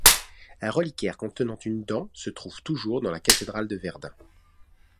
Un reliquaire contenant une dent se trouve toujours dans la cathédrale de Verdun.